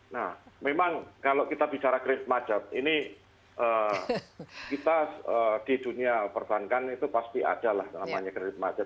nah memang kalau kita bicara kredit macet ini kita di dunia perbankan itu pasti ada lah namanya kredit macet